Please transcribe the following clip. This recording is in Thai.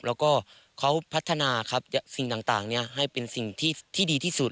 แล้วก็เขาพัฒนาครับสิ่งต่างให้เป็นสิ่งที่ดีที่สุด